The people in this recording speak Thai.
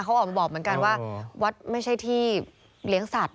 เขาออกมาบอกเหมือนกันว่าวัดไม่ใช่ที่เลี้ยงสัตว